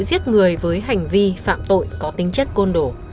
giết người với hành vi phạm tội có tính chất côn đổ